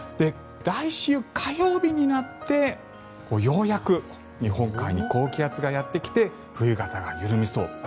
来週火曜日になってようやく日本海に高気圧がやってきて冬型が緩みそう。